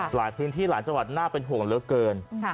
หลายพื้นที่หลายจังหวัดน่าเป็นห่วงเหลือเกิน